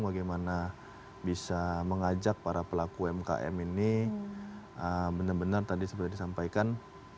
bagaimana bisa mengajak para pelaku umkm ini benar benar tadi sudah disampaikan